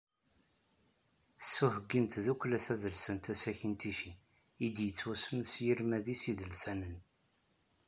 S uheyyi n tdukkla tadelsant Asaki n Ticci i d-yettwassnen s yirmad-is idelsanen.